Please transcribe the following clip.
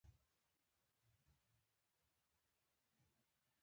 ميرويس خان وخندل: درته وايم يې!